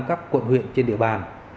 các quận huyện trên địa bàn